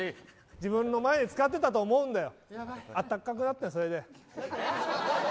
前に使ってたと思うんだよ。